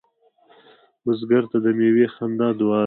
بزګر ته د میوې خندا دعا ده